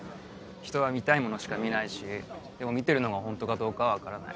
人は見たいものしか見ないしでも見てるのがホントかどうかは分からない。